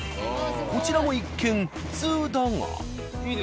こちらも一見普通だが。